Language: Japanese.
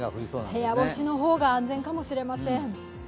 部屋干しの方が安全かもしれません。